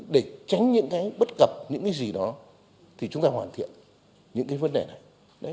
để tránh những cái bất cập những cái gì đó thì chúng ta hoàn thiện những cái vấn đề này